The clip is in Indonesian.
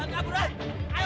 oh apalah pak ardi